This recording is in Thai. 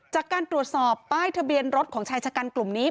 จากการตรวจสอบป้ายทะเบียนรถของชายชะกันกลุ่มนี้